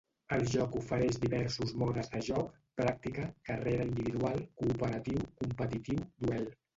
El joc ofereix diversos modes de joc: pràctica, carrera individual, cooperatiu, competitiu, duel.